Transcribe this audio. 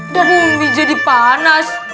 dan bumi jadi panas